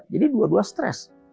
jadi dua dua stress